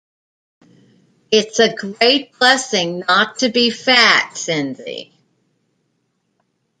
It’s a great blessing not to be fat, Cindy.